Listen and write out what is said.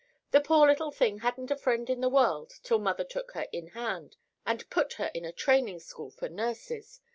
The poor little thing hadn't a friend in the world till mother took her in hand and put her in a training school for nurses.